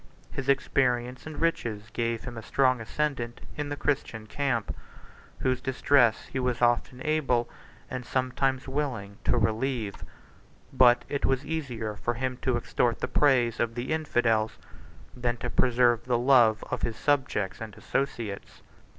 His experience and riches gave him a strong ascendant in the Christian camp, whose distress he was often able, and sometimes willing, to relieve. But it was easier for him to extort the praise of the Infidels, than to preserve the love of his subjects and associates.